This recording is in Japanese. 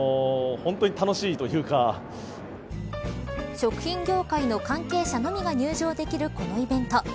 食品業界の関係者のみが入場できるこのイベント。